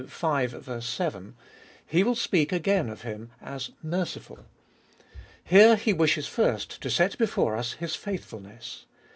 I4~v. 7), he will speak again of Him as merciful. Here he wishes first to set before us His faithfulness.